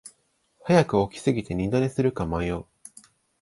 早く起きすぎて二度寝するか迷う